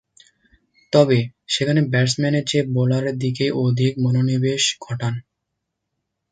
তবে, সেখানে ব্যাটসম্যানের চেয়ে বোলারের দিকেই অধিক মনোনিবেশ ঘটান।